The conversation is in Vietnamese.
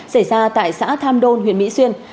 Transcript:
xảy ra tại xã tham đôn huyện mỹ xuyên